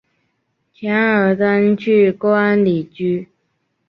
钱尔登去官里居。